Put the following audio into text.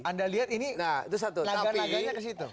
anda lihat ini laganya ke situ